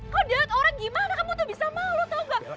kok lihat orang gimana kamu tuh bisa malu tau gak